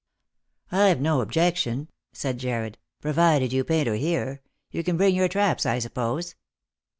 " "I've no objection," said Jarred, "provided you paint her here. You can bring your traps, I suppose